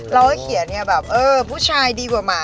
เราก็เขียนเนี่ยแบบเออผู้ชายดีกว่าหมา